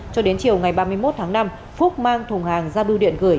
cho đến chiều ngày ba mươi một tháng năm phúc mang thùng hàng ra biêu điện gửi